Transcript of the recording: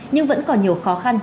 nhưng vẫn còn nhiều khó khăn